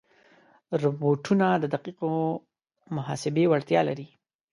روبوټونه د دقیقو محاسبې وړتیا لري.